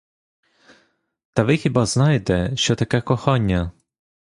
Та ви хіба знаєте, що таке кохання?